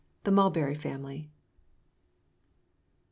THE MULBERRY FAMILY.